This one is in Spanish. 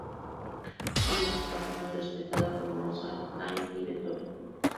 Su música fue muy respetada por Mozart, Haydn y Beethoven.